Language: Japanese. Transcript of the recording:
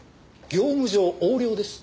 業務上横領です。